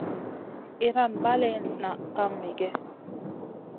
Iyran balley nah kam miguè.